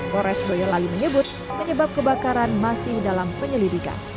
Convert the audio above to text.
mores boyolali menyebut menyebab kebakaran masih dalam penyelidikan